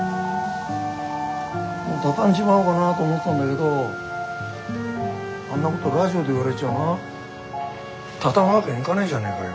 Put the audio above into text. もう畳んじまおうかなと思ってたんだけどあんなことラジオで言われちゃあな畳むわけにいかねえじゃねえかよ。